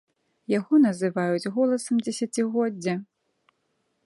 Яго называюць голасам дзесяцігоддзя.